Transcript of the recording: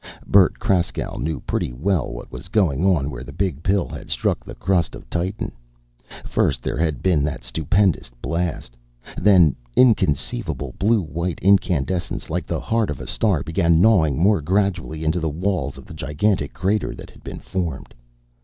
Bert Kraskow knew pretty well what was going on where the Big Pill had struck the crust of Titan. First, there had been that stupendous blast. Then, inconceivable blue white incandescence, like the heart of a star, began gnawing more gradually into the walls of the gigantic crater that had been formed.